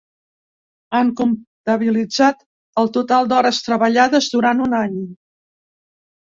Han comptabilitzat el total d'hores treballades durant un any.